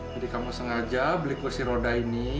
jadi kamu sengaja beli kursi roda ini